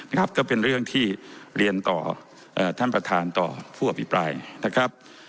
นะครับก็เป็นเรื่องที่เรียนต่อท่านประธานต่อผู้อภิปรายนะครับ